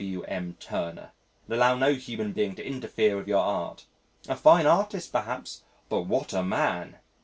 W.M. Turner, and allow no human being to interfere with your art. A fine artist perhaps but what a man!